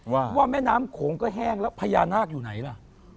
ว่าว่าแม่น้ำโขงก็แห้งแล้วพญานาคอยู่ไหนล่ะ